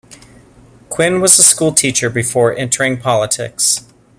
Quinn was a schoolteacher before entering politics.